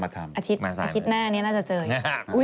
อาทิตย์หน้านี้น่าจะเจอยิน